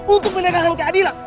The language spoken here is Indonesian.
untuk menegakkan keadilan